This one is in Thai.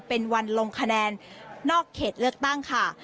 เป็นวันลงคะแนนนอกเขตเลือกตั้งค่ะ